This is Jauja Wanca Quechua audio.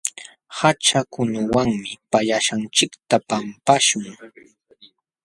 Haćhakunawanmi pallaśhqanchikta pampaśhun.